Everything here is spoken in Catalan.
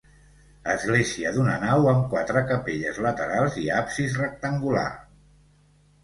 Església d'una nau amb quatre capelles laterals i absis rectangular.